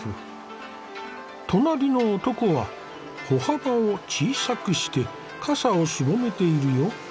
隣の男は歩幅を小さくして傘をすぼめているよ。